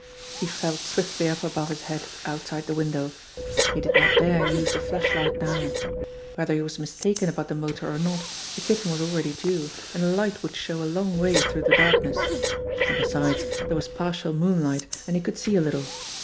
He felt swiftly up above his head outside the window. He did not dare use the flashlight now. Whether he was mis taken about the motor or not, the Kitten was already due, and a light would show a long way through the darkness. And, besides, there was partial moonlight, and he could see a little.